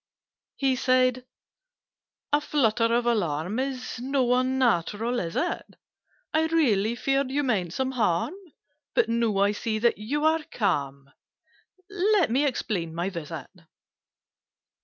He said "A flutter of alarm Is not unnatural, is it? I really feared you meant some harm: But, now I see that you are calm, Let me explain my visit.